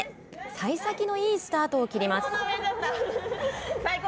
さい先のいいスタートを切ります。